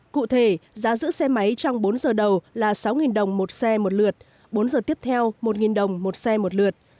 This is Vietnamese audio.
cụ thể giá giữ xe máy trong bốn giờ đầu là sáu đồng một xe một lượt bốn giờ tiếp theo một đồng một xe một lượt